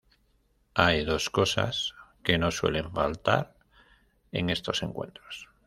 Hay dos cosas que no suelen faltar en estos encuentros.